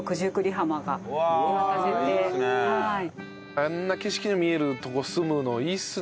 あんな景色の見えるとこに住むのいいっすね。